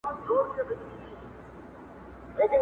څارونوال ویله پلاره نې کوومه,